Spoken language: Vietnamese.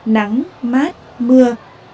nắng mát mưa